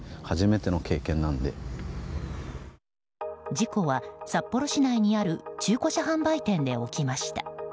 事故は、札幌市内にある中古車販売店で起きました。